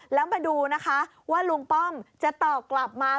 แล้วมาดูนะคะว่าลุงป้อมจะตอบกลับมา